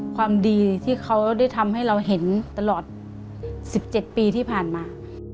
ความดีที่เขาได้ทำให้เราเห็นตลอด๑๗ปีที่ผ่านมา